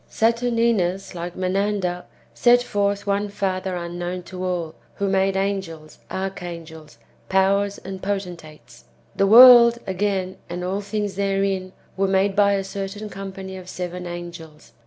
Saturninus, like Menander, set forth one father unknown to all, who made angels, archangels, powers, and potentates. The world, again, and all things therein, were made by a certain company of seven angels.